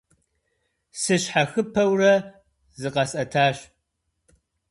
Сыщхьэхыпэурэ зыкъэсӀэтащ.